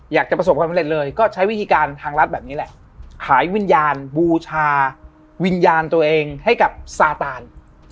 อยากจะประสบความสำเร็จเลยก็ใช้วิธีการทางรัฐแบบนี้แหละขายวิญญาณบูชาวิญญาณตัวเองให้กับซาตาน